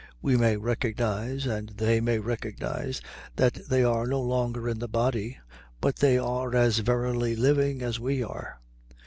We may recognize, and they may recognize, that they are no longer in the body, but they are as verily living as we are.